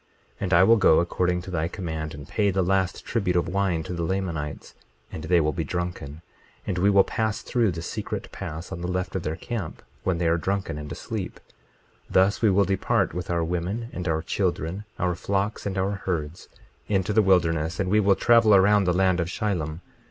22:7 And I will go according to thy command and pay the last tribute of wine to the Lamanites, and they will be drunken; and we will pass through the secret pass on the left of their camp when they are drunken and asleep. 22:8 Thus we will depart with our women and our children, our flocks, and our herds into the wilderness; and we will travel around the land of Shilom.